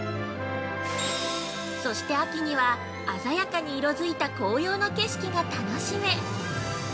そして秋には、鮮やかに色づいた紅葉の景色が楽しめ。